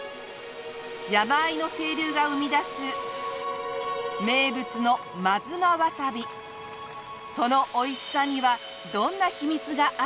山あいの清流が生み出す名物のそのおいしさにはどんな秘密があるんでしょう？